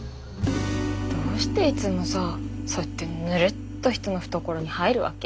どうしていつもさそうやってぬるっと人の懐に入るわけ？